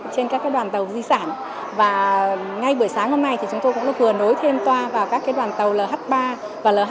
trên các đoàn tàu di sản và ngay buổi sáng hôm nay thì chúng tôi cũng có thừa nối thêm toa vào các đoàn tàu lh ba và lh năm